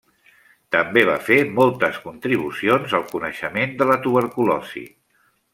També va fer moltes contribucions al coneixement de la tuberculosi.